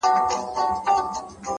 هڅاند انسان محدودیت نه مني،